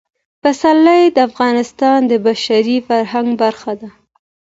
پسرلی د افغانستان د بشري فرهنګ برخه ده.